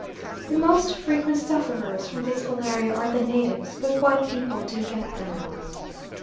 The most frequent sufferers from these Filariae are the natives, but white people do get them.